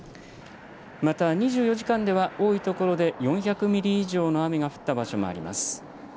また２４時間では多い所で４００ミリ以上の雨が降った場所もあります。